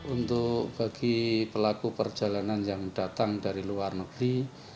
untuk bagi pelaku perjalanan yang datang dari luar negeri